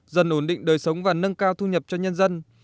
dần ổn định đời sống và nâng cao thu nhập cho nhân dân